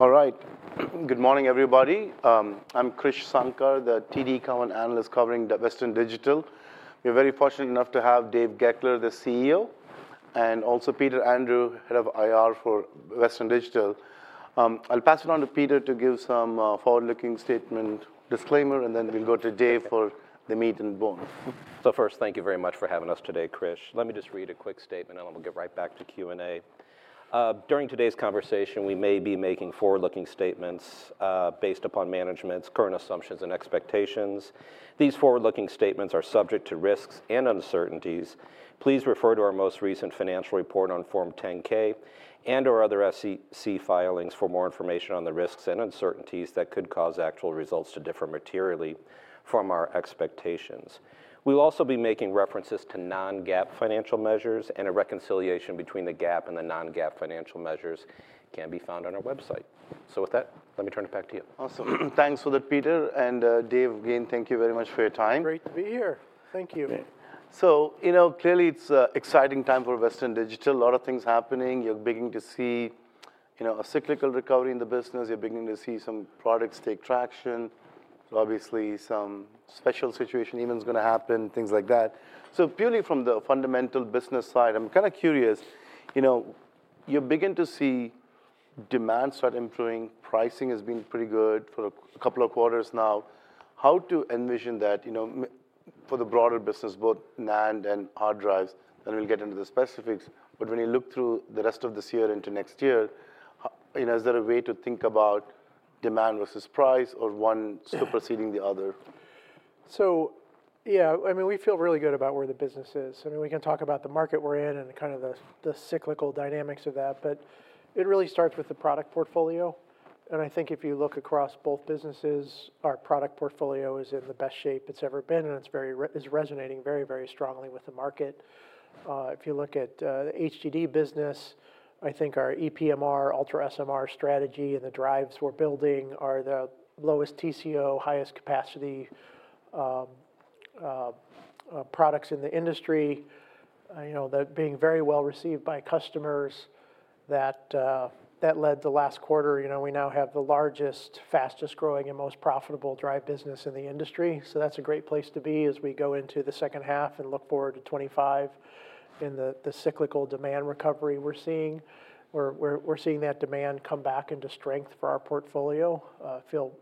All right. Good morning, everybody. I'm Krish Sankar, the TD Cowen analyst covering Western Digital. We're very fortunate enough to have Dave Goeckeler, the CEO, and also Peter Andrew, head of IR for Western Digital. I'll pass it on to Peter to give some forward-looking statement disclaimer, and then we'll go to Dave for the meat and bone. So first, thank you very much for having us today, Krish. Let me just read a quick statement, and then we'll get right back to Q&A. During today's conversation, we may be making forward-looking statements, based upon management's current assumptions and expectations. These forward-looking statements are subject to risks and uncertainties. Please refer to our most recent financial report on Form 10-K and/or other SEC filings for more information on the risks and uncertainties that could cause actual results to differ materially from our expectations. We'll also be making references to non-GAAP financial measures, and a reconciliation between the GAAP and the non-GAAP financial measures can be found on our website. So with that, let me turn it back to you. Awesome. Thanks for that, Peter. Dave, again, thank you very much for your time. Great to be here. Thank you. So, you know, clearly it's exciting time for Western Digital. A lot of things happening. You're beginning to see, you know, a cyclical recovery in the business. You're beginning to see some products take traction. So obviously, some special situation event's gonna happen, things like that. So purely from the fundamental business side, I'm kinda curious, you know, you begin to see demand start improving. Pricing has been pretty good for a couple of quarters now. How do you envision that, you know, for the broader business, both NAND and hard drives? Then we'll get into the specifics. But when you look through the rest of this year into next year, you know, is there a way to think about demand versus price, or one step preceding the other? So, yeah. I mean, we feel really good about where the business is. I mean, we can talk about the market we're in and kinda the, the cyclical dynamics of that. But it really starts with the product portfolio. And I think if you look across both businesses, our product portfolio is in the best shape it's ever been, and it's very resonating very, very strongly with the market. If you look at the HDD business, I think our ePMR, UltraSMR strategy, and the drives we're building are the lowest TCO, highest capacity products in the industry, you know, that being very well received by customers. That led the last quarter. You know, we now have the largest, fastest-growing, and most profitable drive business in the industry. So that's a great place to be as we go into the second half and look forward to 2025 in the cyclical demand recovery we're seeing. We're seeing that demand come back into strength for our portfolio. Feel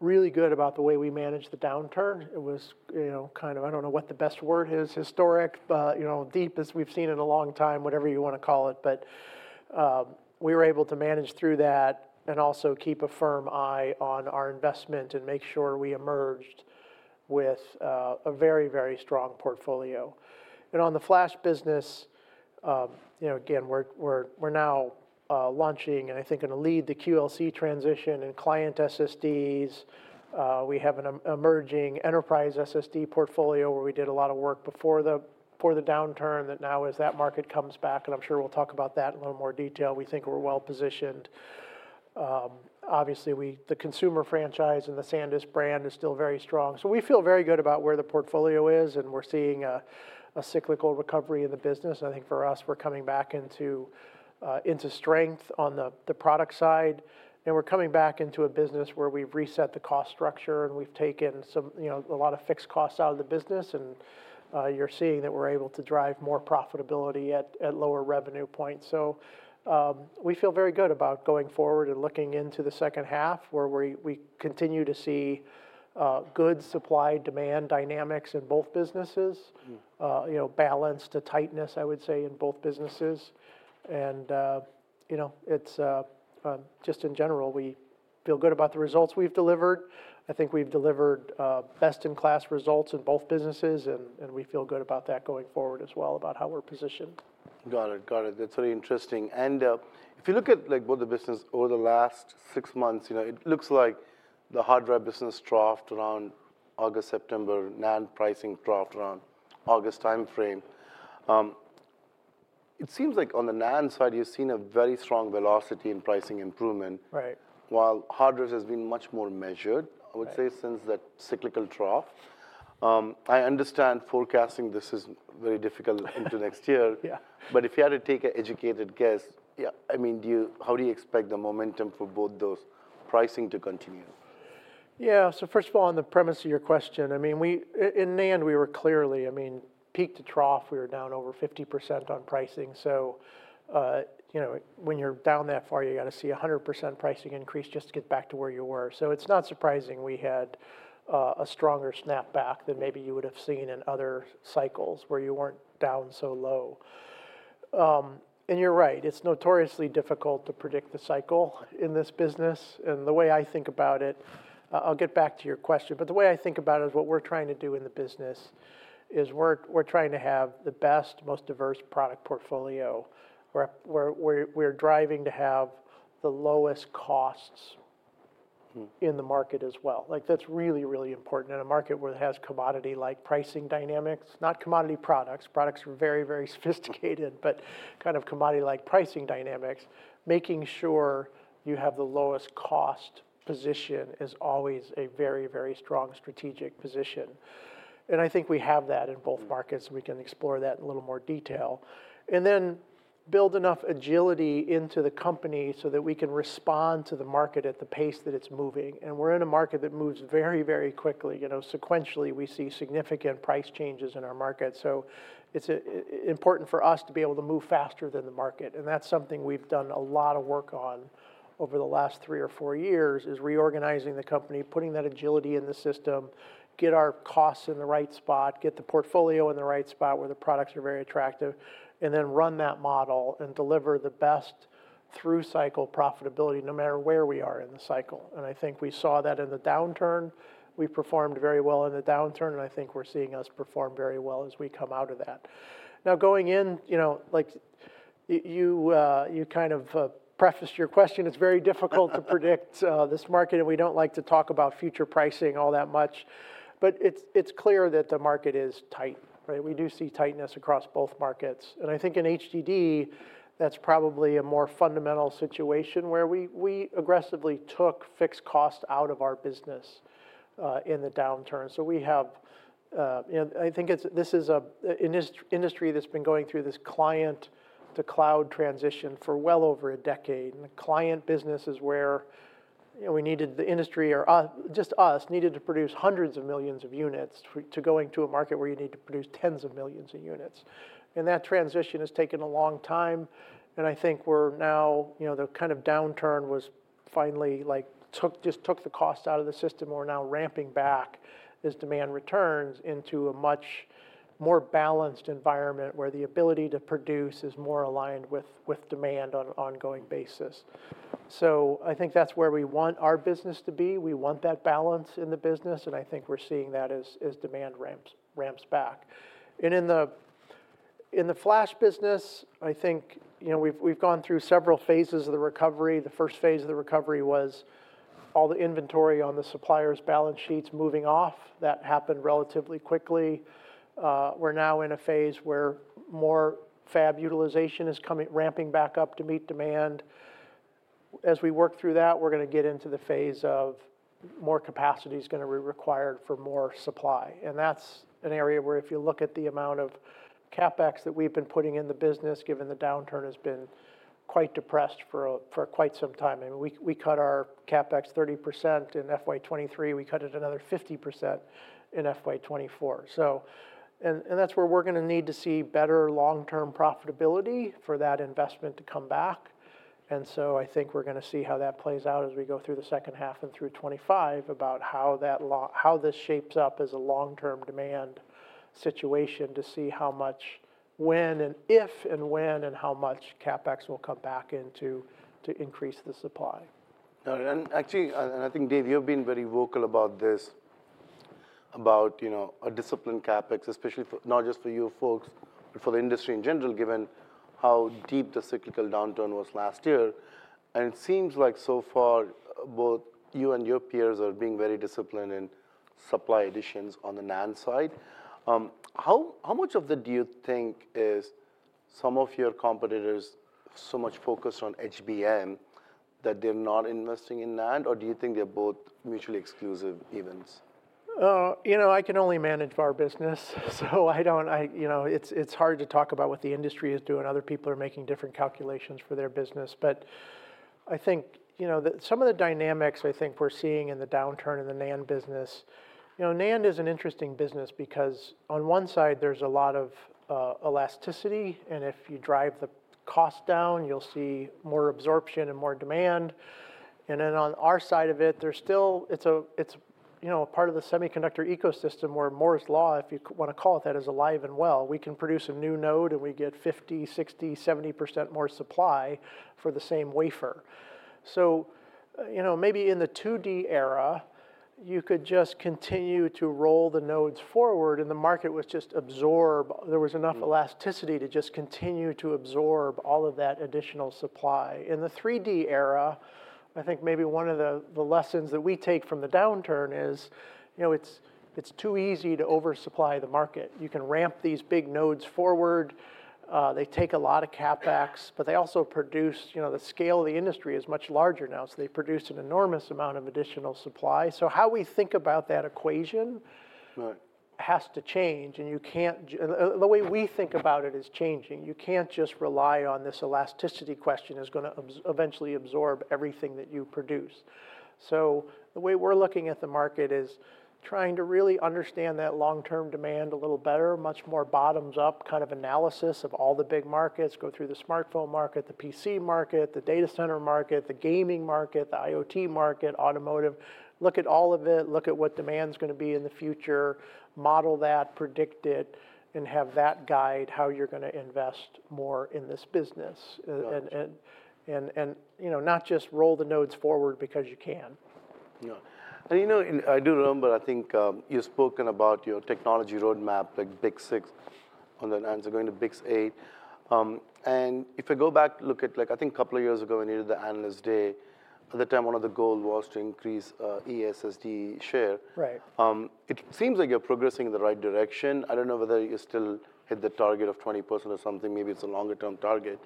really good about the way we managed the downturn. It was, you know, kinda I don't know what the best word is, historic, but, you know, deep as we've seen in a long time, whatever you wanna call it. But, we were able to manage through that and also keep a firm eye on our investment and make sure we emerged with, a very, very strong portfolio. And on the flash business, you know, again, we're now launching and I think gonna lead the QLC transition and client SSDs. We have an emerging enterprise SSD portfolio where we did a lot of work before the downturn that now as that market comes back, and I'm sure we'll talk about that in a little more detail. We think we're well positioned. Obviously, the consumer franchise and the SanDisk brand is still very strong. So we feel very good about where the portfolio is, and we're seeing a cyclical recovery in the business. I think for us, we're coming back into strength on the product side. We're coming back into a business where we've reset the cost structure, and we've taken some, you know, a lot of fixed costs out of the business. You're seeing that we're able to drive more profitability at lower revenue points. So, we feel very good about going forward and looking into the second half where we continue to see good supply-demand dynamics in both businesses. Mm-hmm. You know, balance to tightness, I would say, in both businesses. And, you know, it's just in general, we feel good about the results we've delivered. I think we've delivered best-in-class results in both businesses, and, and we feel good about that going forward as well, about how we're positioned. Got it. Got it. That's very interesting. If you look at, like, both the business over the last six months, you know, it looks like the hard drive business troughed around August, September, NAND pricing troughed around August timeframe. It seems like on the NAND side, you've seen a very strong velocity in pricing improvement. Right. While hard drives have been much more measured, I would say, since that cyclical trough. I understand forecasting this is very difficult into next year. Yeah. But if you had to take an educated guess, yeah, I mean, how do you expect the momentum for both those pricing to continue? Yeah. So first of all, on the premise of your question, I mean, we in NAND, we were clearly, I mean, peak to trough, we were down over 50% on pricing. So, you know, when you're down that far, you gotta see 100% pricing increase just to get back to where you were. So it's not surprising we had a stronger snapback than maybe you would have seen in other cycles where you weren't down so low. And you're right. It's notoriously difficult to predict the cycle in this business. And the way I think about it, I'll get back to your question. But the way I think about it is what we're trying to do in the business is we're driving to have the lowest costs. Mm-hmm. In the market as well. Like, that's really, really important. In a market where it has commodity-like pricing dynamics, not commodity products, products that are very, very sophisticated, but kind of commodity-like pricing dynamics, making sure you have the lowest cost position is always a very, very strong strategic position. And I think we have that in both markets, and we can explore that in a little more detail. And then build enough agility into the company so that we can respond to the market at the pace that it's moving. And we're in a market that moves very, very quickly. You know, sequentially, we see significant price changes in our market. So it's important for us to be able to move faster than the market. That's something we've done a lot of work on over the last three or four years, is reorganizing the company, putting that agility in the system, get our costs in the right spot, get the portfolio in the right spot where the products are very attractive, and then run that model and deliver the best through-cycle profitability no matter where we are in the cycle. And I think we saw that in the downturn. We performed very well in the downturn, and I think we're seeing us perform very well as we come out of that. Now, going in, you know, like, you, you kind of, prefaced your question. It's very difficult to predict, this market, and we don't like to talk about future pricing all that much. But it's, it's clear that the market is tight, right? We do see tightness across both markets. I think in HDD, that's probably a more fundamental situation where we aggressively took fixed costs out of our business, in the downturn. So we have, you know, I think it's an industry that's been going through this client-to-cloud transition for well over a decade. And the client business is where, you know, we needed the industry or we needed to produce hundreds of millions of units to go into a market where you need to produce tens of millions of units. And that transition has taken a long time. And I think we're now, you know, the downturn finally took the costs out of the system. We're now ramping back, as demand returns, into a much more balanced environment where the ability to produce is more aligned with demand on an ongoing basis. So I think that's where we want our business to be. We want that balance in the business. And I think we're seeing that as demand ramps back. And in the flash business, I think, you know, we've gone through several phases of the recovery. The first phase of the recovery was all the inventory on the supplier's balance sheets moving off. That happened relatively quickly. We're now in a phase where more fab utilization is coming ramping back up to meet demand. As we work through that, we're gonna get into the phase of more capacity's gonna re-require for more supply. And that's an area where, if you look at the amount of Capex that we've been putting in the business, given the downturn has been quite depressed for quite some time. I mean, we cut our Capex 30% in FY2023. We cut it another 50% in FY2024. So, and that's where we're gonna need to see better long-term profitability for that investment to come back. And so I think we're gonna see how that plays out as we go through the second half and through 2025 about how this shapes up as a long-term demand situation to see how much when and if and when and how much CapEx will come back in to increase the supply. Got it. Actually, I think, Dave, you've been very vocal about this, about, you know, a disciplined Capex, especially not just for you folks, but for the industry in general, given how deep the cyclical downturn was last year. And it seems like, so far, both you and your peers are being very disciplined in supply additions on the NAND side. How much of that do you think is some of your competitors so much focused on HBM that they're not investing in NAND, or do you think they're both mutually exclusive events? You know, I can only manage our business. So I don't, you know, it's hard to talk about what the industry is doing. Other people are making different calculations for their business. But I think, you know, some of the dynamics, I think, we're seeing in the downturn in the NAND business. You know, NAND is an interesting business because, on one side, there's a lot of elasticity. And if you drive the cost down, you'll see more absorption and more demand. And then on our side of it, there's still, it's a, you know, a part of the semiconductor ecosystem where Moore's Law, if you wanna call it that, is alive and well. We can produce a new node, and we get 50, 60, 70% more supply for the same wafer. So, you know, maybe in the 2D era, you could just continue to roll the nodes forward, and the market would just absorb. There was enough elasticity to just continue to absorb all of that additional supply. In the 3D era, I think maybe one of the lessons that we take from the downturn is, you know, it's too easy to oversupply the market. You can ramp these big nodes forward. They take a lot of Capex, but they also produce—you know, the scale of the industry is much larger now—so they produce an enormous amount of additional supply. So how we think about that equation. Right. Has to change. You can't just, the way we think about it is changing. You can't just rely on this elasticity question is gonna eventually absorb everything that you produce. So the way we're looking at the market is trying to really understand that long-term demand a little better, much more bottoms-up kind of analysis of all the big markets. Go through the smartphone market, the PC market, the data center market, the gaming market, the IoT market, automotive. Look at all of it. Look at what demand's gonna be in the future. Model that, predict it, and have that guide how you're gonna invest more in this business. Got it. And you know, not just roll the nodes forward because you can. Yeah. And, you know, and I do remember, I think, you've spoken about your technology roadmap, like BiCS6 on the NANDs are going to BiCS8. And if I go back, look at, like, I think a couple of years ago, when you did the analyst day, at the time, one of the goals was to increase eSSD share. Right. It seems like you're progressing in the right direction. I don't know whether you still hit the target of 20% or something. Maybe it's a longer-term target.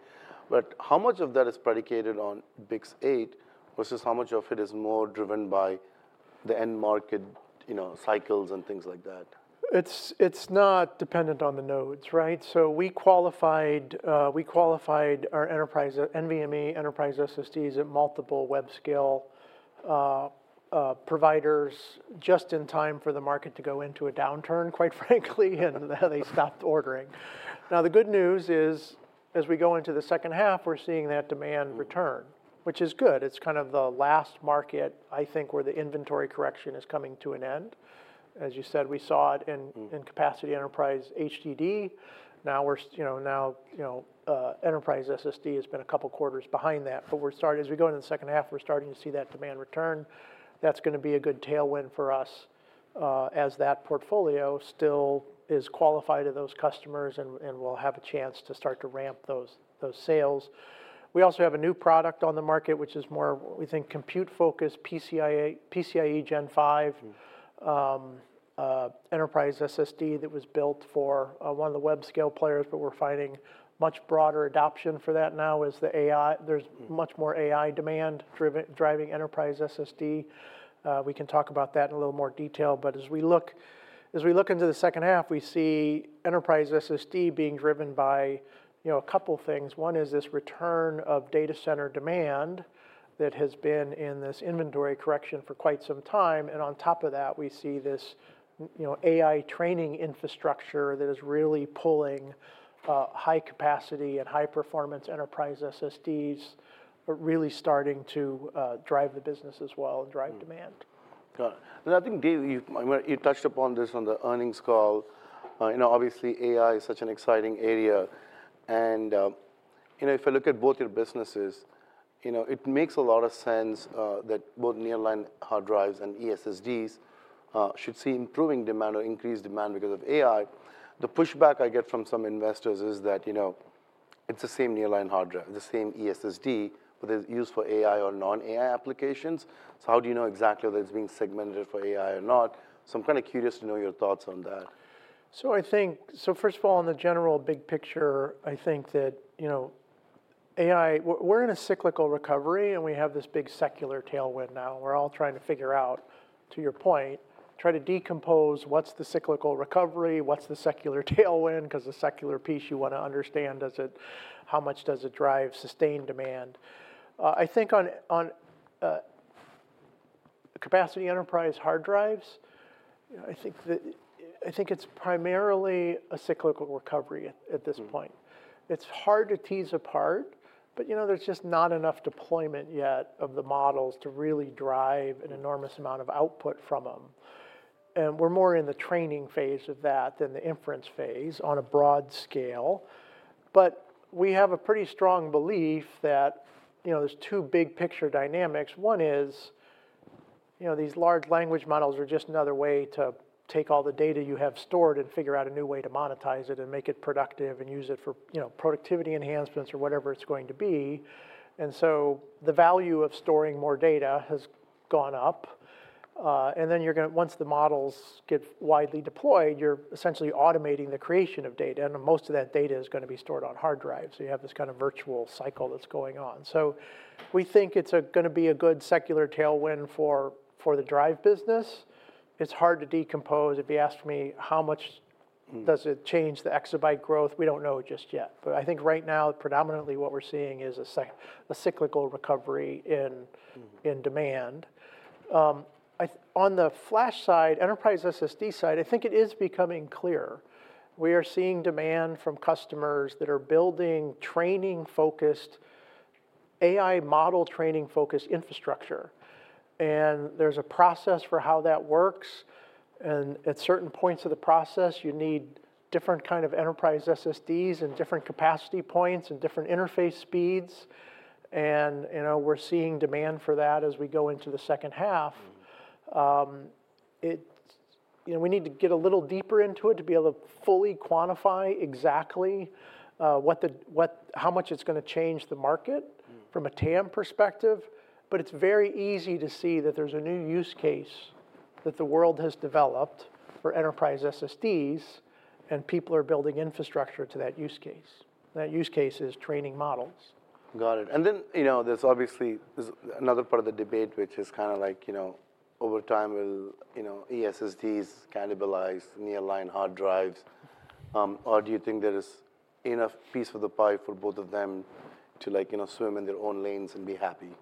But how much of that is predicated on BiCS8 versus how much of it is more driven by the end-market, you know, cycles and things like that? It's not dependent on the nodes, right? So we qualified our enterprise NVMe enterprise SSDs at multiple web-scale providers just in time for the market to go into a downturn, quite frankly, and they stopped ordering. Now, the good news is, as we go into the second half, we're seeing that demand return, which is good. It's kind of the last market, I think, where the inventory correction is coming to an end. As you said, we saw it in capacity enterprise HDD. Now we're, you know, enterprise SSD has been a couple quarters behind that. But we're starting as we go into the second half to see that demand return. That's gonna be a good tailwind for us, as that portfolio still is qualified to those customers and will have a chance to start to ramp those sales. We also have a new product on the market, which is more, we think, compute-focused PCIe Gen 5. Mm-hmm. Enterprise SSD that was built for one of the web-scale players, but we're finding much broader adoption for that now as the AI, there's much more AI demand-driven driving enterprise SSD. We can talk about that in a little more detail. But as we look into the second half, we see enterprise SSD being driven by, you know, a couple things. One is this return of data center demand that has been in this inventory correction for quite some time. And on top of that, we see this, you know, AI training infrastructure that is really pulling high-capacity and high-performance enterprise SSDs, really starting to drive the business as well and drive demand. Mm-hmm. Got it. And I think, Dave, you've, I mean, you touched upon this on the earnings call. You know, obviously, AI is such an exciting area. And, you know, if I look at both your businesses, you know, it makes a lot of sense that both nearline hard drives and eSSDs should see improving demand or increased demand because of AI. The pushback I get from some investors is that, you know, it's the same nearline hard drive, the same eSSD, but they're used for AI or non-AI applications. So how do you know exactly whether it's being segmented for AI or not? So I'm kinda curious to know your thoughts on that. So I think so first of all, in the general big picture, I think that, you know, AI we're in a cyclical recovery, and we have this big secular tailwind now. We're all trying to figure out, to your point, try to decompose what's the cyclical recovery, what's the secular tailwind, 'cause the secular piece you wanna understand does it how much does it drive sustained demand. I think on, on, capacity enterprise hard drives, you know, I think it's primarily a cyclical recovery at, at this point. Mm-hmm. It's hard to tease apart, but, you know, there's just not enough deployment yet of the models to really drive an enormous amount of output from them. And we're more in the training phase of that than the inference phase on a broad scale. But we have a pretty strong belief that, you know, there's two big-picture dynamics. One is, you know, these large language models are just another way to take all the data you have stored and figure out a new way to monetize it and make it productive and use it for, you know, productivity enhancements or whatever it's going to be. And so the value of storing more data has gone up. And then you're gonna once the models get widely deployed, you're essentially automating the creation of data. And most of that data is gonna be stored on hard drives. So you have this kind of virtuous cycle that's going on. So we think it's gonna be a good secular tailwind for, for the drive business. It's hard to decompose. If you asked me how much. Mm-hmm. Does it change the exabyte growth, we don't know just yet. But I think right now, predominantly, what we're seeing is a cyclical recovery in. Mm-hmm. In demand. I think on the flash side, enterprise SSD side, I think it is becoming clear. We are seeing demand from customers that are building training-focused AI model training-focused infrastructure. And there's a process for how that works. And at certain points of the process, you need different kind of enterprise SSDs and different capacity points and different interface speeds. And, you know, we're seeing demand for that as we go into the second half. Mm-hmm. It's, you know, we need to get a little deeper into it to be able to fully quantify exactly what how much it's gonna change the market. Mm-hmm. From a TAM perspective. But it's very easy to see that there's a new use case that the world has developed for enterprise SSDs, and people are building infrastructure to that use case. That use case is training models. Got it. And then, you know, there's obviously another part of the debate, which is kinda like, you know, over time, will, you know, eSSDs cannibalize Nearline hard drives? or do you think there is enough piece of the pie for both of them to, like, you know, swim in their own lanes and be happy?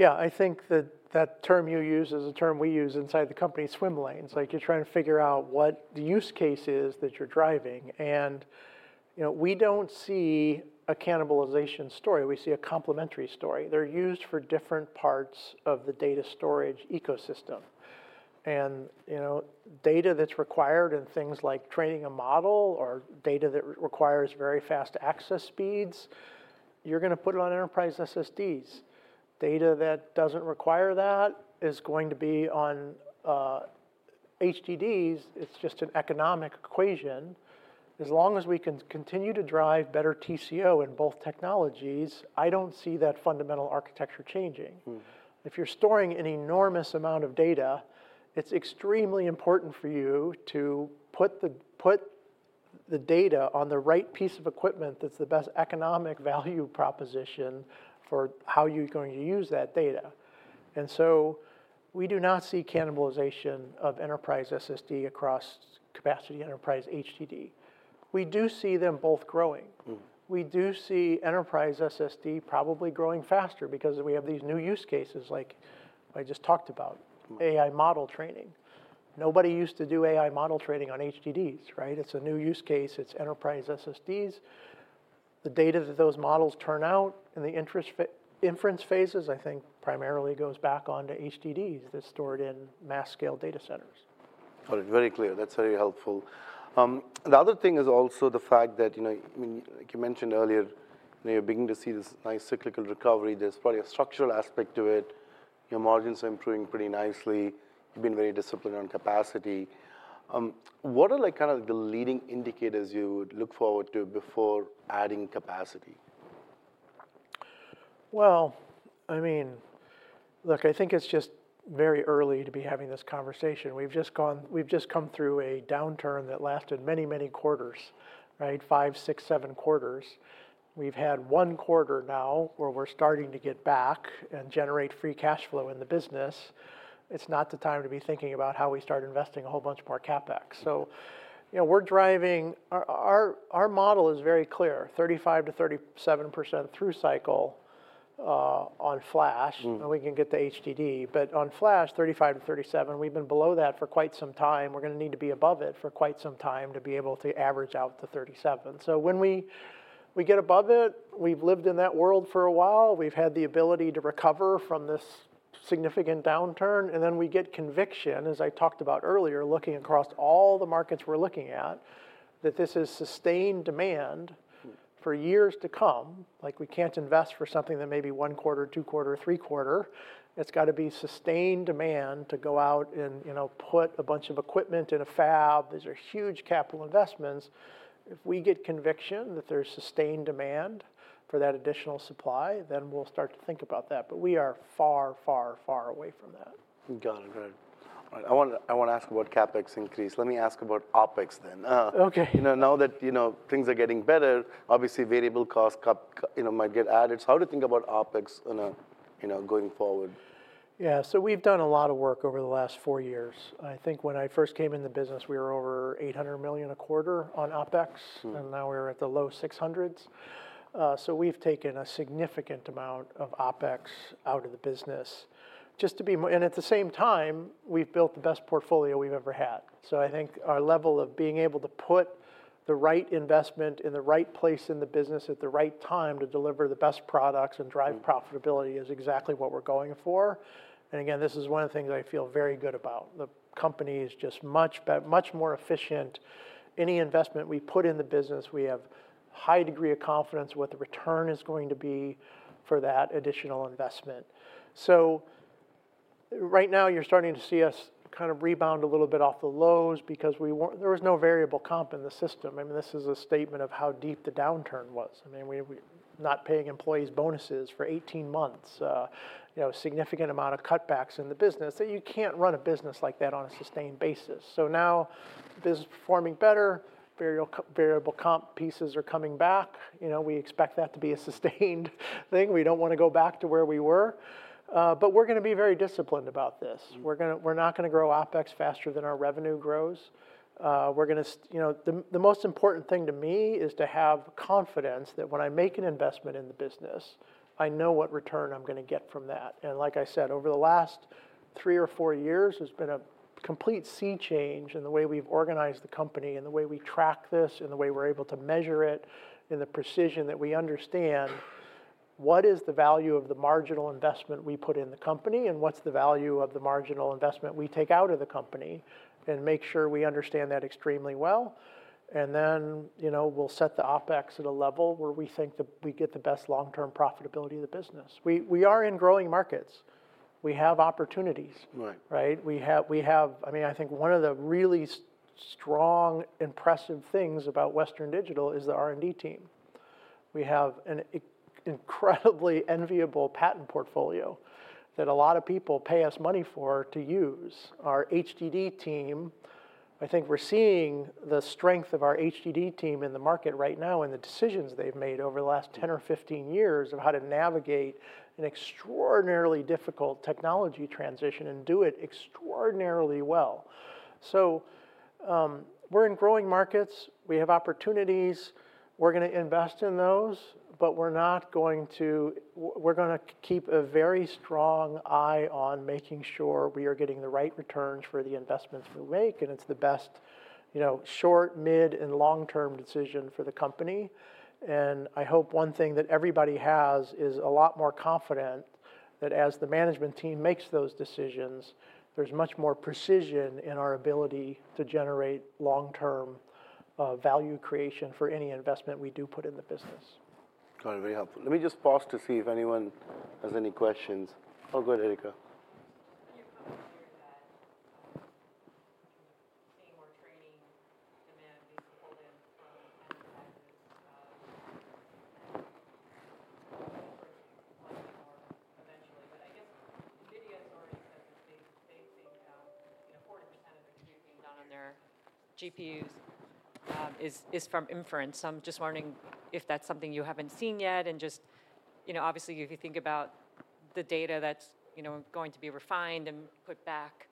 Yeah. I think that that term you use is a term we use inside the company, swim lanes. Like, you're trying to figure out what the use case is that you're driving. And, you know, we don't see a cannibalization story. We see a complementary story. They're used for different parts of the data storage ecosystem. And, you know, data that's required in things like training a model or data that requires very fast access speeds, you're gonna put it on enterprise SSDs. Data that doesn't require that is going to be on HDDs. It's just an economic equation. As long as we can continue to drive better TCO in both technologies, I don't see that fundamental architecture changing. Mm-hmm. If you're storing an enormous amount of data, it's extremely important for you to put the data on the right piece of equipment that's the best economic value proposition for how you're going to use that data. And so we do not see cannibalization of enterprise SSD across capacity enterprise HDD. We do see them both growing. Mm-hmm. We do see enterprise SSD probably growing faster because we have these new use cases, like I just talked about. Mm-hmm. AI model training. Nobody used to do AI model training on HDDs, right? It's a new use case. It's enterprise SSDs. The data that those models turn out in the inference phases, I think, primarily goes back onto HDDs that's stored in mass-scale data centers. Got it. Very clear. That's very helpful. The other thing is also the fact that, you know, I mean, like you mentioned earlier, you know, you're beginning to see this nice cyclical recovery. There's probably a structural aspect to it. Your margins are improving pretty nicely. You've been very disciplined on capacity. What are, like, kinda the leading indicators you would look forward to before adding capacity? Well, I mean, look, I think it's just very early to be having this conversation. We've just come through a downturn that lasted many, many quarters, right? 5, 6, 7 quarters. We've had one quarter now where we're starting to get back and generate free cash flow in the business. It's not the time to be thinking about how we start investing a whole bunch more CapEx. So, you know, our model is very clear: 35%-37% through cycle, on flash. Mm-hmm. We can get the HDD. But on flash, $35-$37, we've been below that for quite some time. We're gonna need to be above it for quite some time to be able to average out to $37. So when we get above it, we've lived in that world for a while. We've had the ability to recover from this significant downturn. Then we get conviction, as I talked about earlier, looking across all the markets we're looking at, that this is sustained demand. Mm-hmm. For years to come. Like, we can't invest for something that may be 1 quarter, 2 quarter, 3 quarter. It's gotta be sustained demand to go out and, you know, put a bunch of equipment in a fab. These are huge capital investments. If we get conviction that there's sustained demand for that additional supply, then we'll start to think about that. But we are far, far, far away from that. Got it. Got it. All right. I wanna I wanna ask about CapEx increase. Let me ask about OpEx then. Okay. You know, now that, you know, things are getting better, obviously, variable costs up, you know, might get added. So how do you think about Opex in a, you know, going forward? Yeah. So we've done a lot of work over the last four years. I think when I first came in the business, we were over $800 million a quarter on opex. Mm-hmm. And now we're at the low 600s. So we've taken a significant amount of Opex out of the business just to be and at the same time, we've built the best portfolio we've ever had. So I think our level of being able to put the right investment in the right place in the business at the right time to deliver the best products and drive profitability is exactly what we're going for. And again, this is one of the things I feel very good about. The company is just much better, much more efficient. Any investment we put in the business, we have high degree of confidence what the return is going to be for that additional investment. So right now, you're starting to see us kinda rebound a little bit off the lows because there was no variable comp in the system. I mean, this is a statement of how deep the downturn was. I mean, we, we not paying employees bonuses for 18 months, you know, significant amount of cutbacks in the business. So you can't run a business like that on a sustained basis. So now the business is performing better. Variable comp pieces are coming back. You know, we expect that to be a sustained thing. We don't wanna go back to where we were. But we're gonna be very disciplined about this. Mm-hmm. We're not gonna grow Opex faster than our revenue grows. We're gonna, you know, the most important thing to me is to have confidence that when I make an investment in the business, I know what return I'm gonna get from that. And like I said, over the last three or four years, there's been a complete sea change in the way we've organized the company and the way we track this and the way we're able to measure it in the precision that we understand what is the value of the marginal investment we put in the company, and what's the value of the marginal investment we take out of the company, and make sure we understand that extremely well. And then, you know, we'll set the Opex at a level where we think that we get the best long-term profitability of the business. We are in growing markets. We have opportunities. Right. Right? We have, I mean, I think one of the really strong, impressive things about Western Digital is the R&D team. We have an incredibly enviable patent portfolio that a lot of people pay us money for to use. Our HDD team, I think we're seeing the strength of our HDD team in the market right now and the decisions they've made over the last 10 or 15 years of how to navigate an extraordinarily difficult technology transition and do it extraordinarily well. So, we're in growing markets. We have opportunities. We're gonna invest in those. But we're not going to, we're gonna keep a very strong eye on making sure we are getting the right returns for the investments we make. And it's the best, you know, short, mid, and long-term decision for the company. I hope one thing that everybody has is a lot more confident that as the management team makes those decisions, there's much more precision in our ability to generate long-term, value creation for any investment we do put in the business. Got it. Very helpful. Let me just pause to see if anyone has any questions. Oh, go ahead, Erica. Just a few comments here that, you know, seeing more training demand being pulled in from enterprises, and inference is likely more eventually. But I guess NVIDIA has already said that they, they think, you know, 40% of the compute being done on their GPUs, is, is from inference. So I'm just wondering if that's something you haven't seen yet. And just, you know, obviously, if you think about the data that's, you know, going to be refined and put back,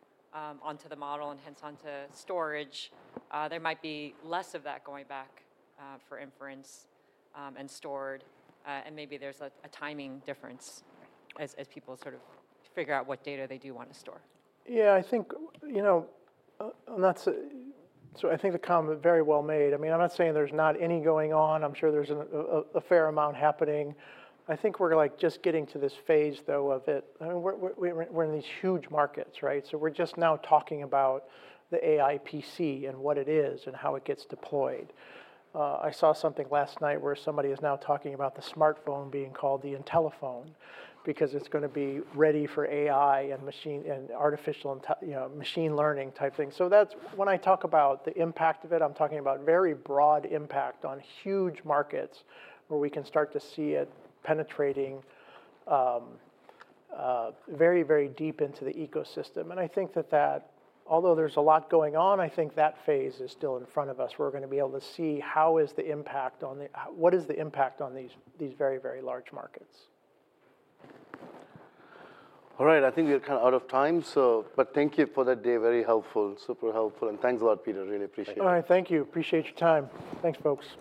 onto the model and hence onto storage, there might be less of that going back, for inference, and stored, and maybe there's a, a timing difference as, as people sort of figure out what data they do wanna store. Yeah. I think, you know, and that's so I think the comment is very well made. I mean, I'm not saying there's not any going on. I'm sure there's a fair amount happening. I think we're, like, just getting to this phase, though, of it. I mean, we're in these huge markets, right? So we're just now talking about the AI PC and what it is and how it gets deployed. I saw something last night where somebody is now talking about the smartphone being called the IntelliPhone because it's gonna be ready for AI and machine and artificial intel, you know, machine learning type thing. So that's when I talk about the impact of it, I'm talking about very broad impact on huge markets where we can start to see it penetrating very, very deep into the ecosystem. I think that although there's a lot going on, I think that phase is still in front of us where we're gonna be able to see what the impact is on these very, very large markets. All right. I think we are kinda out of time. So but thank you for that day. Very helpful. Super helpful. And thanks a lot, Peter. Really appreciate it. All right. Thank you. Appreciate your time. Thanks, folks.